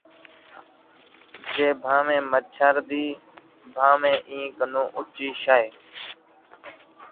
جو بھاویں مچھر دی، بھاویں اِیں کنوں اُچی شَئے